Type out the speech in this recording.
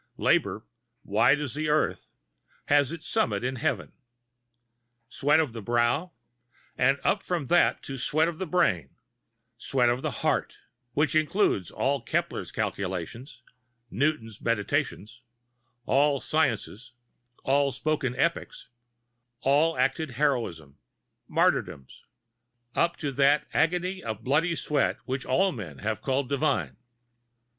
Labor, wide as the earth, has its summit in Heaven. Sweat of the brow; and up from that to sweat of the brain, sweat of the heart; which includes all Kepler's calculations, Newton's meditations, all sciences, all spoken epics, all acted heroism, martyrdoms—up to that "Agony of bloody sweat," which all men have called divine!